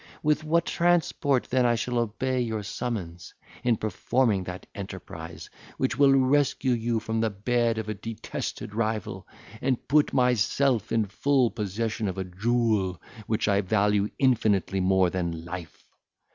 With what transport then shall I obey your summons, in performing that enterprise, which will rescue you from the bed of a detested rival, and put myself in full possession of a jewel which I value infinitely more than life!